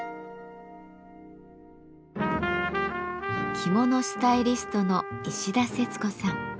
着物スタイリストの石田節子さん。